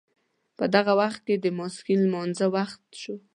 په دغه وخت کې د ماپښین لمانځه وخت شو.